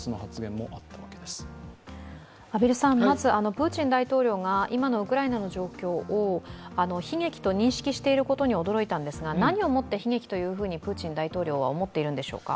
プーチン大統領が今のウクライナの状況を悲劇と認識していることに驚いたんですが、何をもって悲劇とプーチン大統領は思っているんでしょうか。